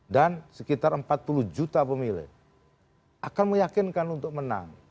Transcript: dan sekitar empat puluh juta pemilih akan meyakinkan untuk menang